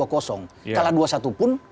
kalah dua satu pun